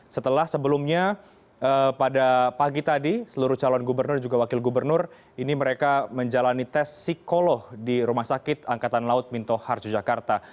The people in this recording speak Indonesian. setelah sebelumnya pada pagi tadi seluruh calon gubernur dan juga wakil gubernur ini mereka menjalani tes psikolog di rumah sakit angkatan laut minto harjo jakarta